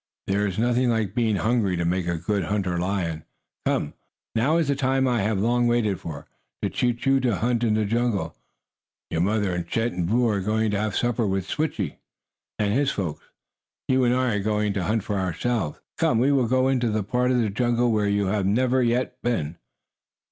"There is nothing like being hungry to make a good hunter lion. Come, now is the time I have long waited for to teach you to hunt in the jungle. Your mother and Chet and Boo are going to have supper with Switchie and his folks. You and I are going to hunt for ourselves. Come, we will go into a part of the jungle where you have never yet been."